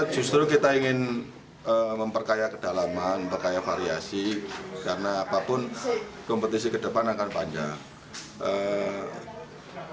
justru kita ingin memperkaya kedalaman memperkaya variasi karena apapun kompetisi ke depan akan panjang